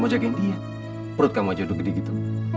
mau jagain dia perut kamu aja udah gede gitu